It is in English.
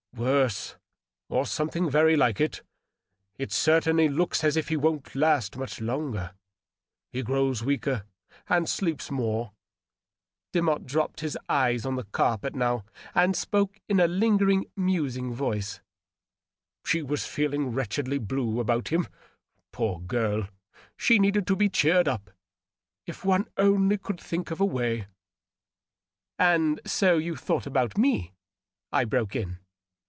" Worse, or something very like it. It certainly looks as if he wouldn't last much longer. He grows weaker, and sleeps more." De motte dropped his eyes on the carpet, now, and spoke in a lingering, DOUGLAS DUANE. 671 musing voice. '^ She was feeling wretchedly blue about him, poor girL She n^ed to be cheered up, if one only could think of a way ..."" And so you thought about me," I broke in.